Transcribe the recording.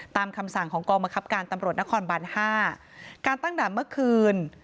ตามคำสั่งของกรมคับการตำรวจนครบันห้าการตั้งด่านเมื่อคืน